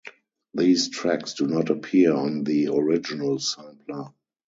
These tracks do not appear on the original sampler.